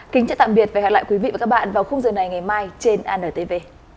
kính chào tạm biệt và hẹn gặp lại quý vị và các bạn vào khung giờ này ngày mai trên antv